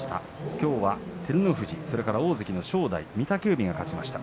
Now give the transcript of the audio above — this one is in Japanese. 今日は照ノ富士、そして大関の正代、御嶽海が勝ちました。